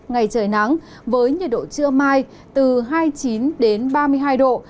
ngày trời nắng với nhiệt độ chưa mai từ hai mươi chín đến ba mươi hai độ